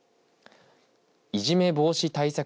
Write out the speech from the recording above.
いじめ防止対策